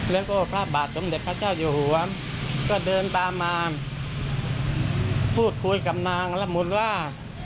แล้วก็พระบาทสมเด็จพระเจ้าอยู่หัวก็เดินตามมาพูดคุยกับนางละมุนว่า